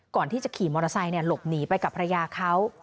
ก่อนที่จะขี่มอเตอร์ไซค์หลบหนีไปกับภรรยาเขา